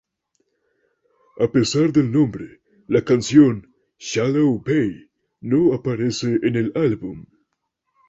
A pesar del nombre, la canción "Shallow Bay" no aparece en el álbum.